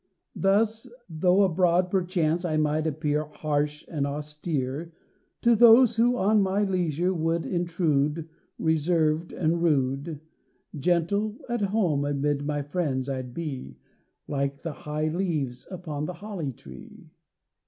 Thus, though abroad perchance I might appear Harsh and austere, To those who on my leisure would intrude Reserved and rude, Gentle at home amid my friends I'd be Like the high leaves upon the Holly tree.